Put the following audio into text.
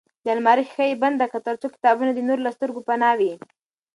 د المارۍ ښیښه یې بنده کړه ترڅو کتابونه د نورو له سترګو پناه وي.